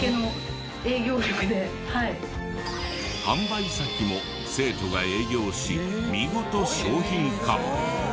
販売先も生徒が営業し見事商品化！